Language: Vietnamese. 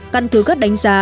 căn cứ các đánh giá